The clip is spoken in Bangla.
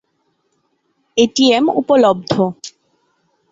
এটিএম উপলব্ধ